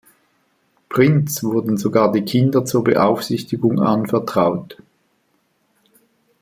Prinz wurden sogar die Kinder zur Beaufsichtigung anvertraut.